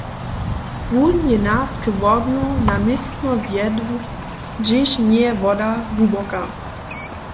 Wón je nas k Łobju na městno wjedł, hdźež njeje woda hłuboka.